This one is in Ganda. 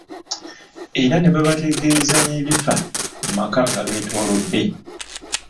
Era ne babategeeza n’ebifa mu maka agabetoolodde.